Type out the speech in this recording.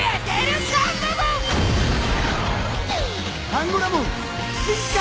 アンゴラモン進化！